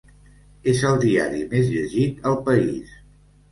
És el diari més llegit al país.